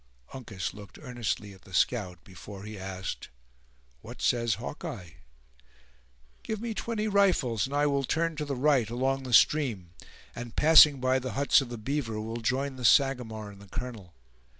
Uncas looked earnestly at the scout, before he asked: "What says Hawkeye?" "Give me twenty rifles, and I will turn to the right, along the stream; and, passing by the huts of the beaver, will join the Sagamore and the colonel.